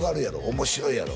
面白いやろ？